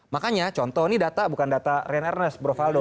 makanya contoh ini data bukan data ren ernest bro valdo